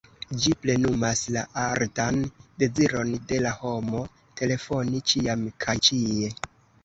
Ĝi plenumas la ardan deziron de la homo, telefoni ĉiam kaj ĉie.